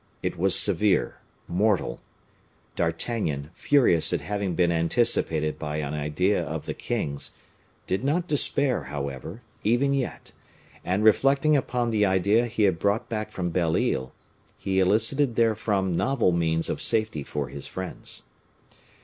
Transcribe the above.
It was severe, mortal. D'Artagnan, furious at having been anticipated by an idea of the king's, did not despair, however, even yet; and reflecting upon the idea he had brought back from Belle Isle, he elicited therefrom novel means of safety for his friends.